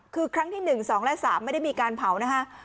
คือครั้งที่๑๒และ๓ไม่ได้มีการเผานะฮะ